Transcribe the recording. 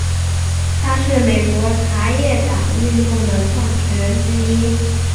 他是美国茶叶党运动的创始人之一。